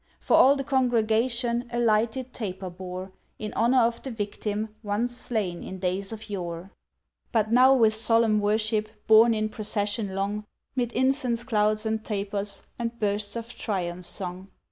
For all the congregation A lighted taper bore, In honour of the Victim, Once slain in days of yore. But now with solemn worship Borne in procession long, Mid incense clouds, and tapers, And bursts of triumph song.